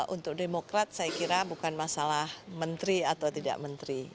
untuk demokrat saya kira bukan masalah menteri atau tidak menteri